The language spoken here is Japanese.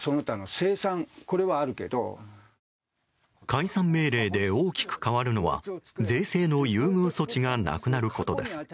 解散命令で大きく変わるのは税制の優遇措置がなくなることです。